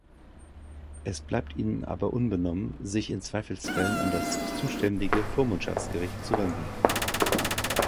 Es bleibt ihnen aber unbenommen, sich in Zweifelsfällen an das zuständige Vormundschaftsgericht zu wenden.